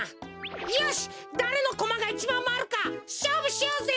よしだれのコマがいちばんまわるかしょうぶしようぜ！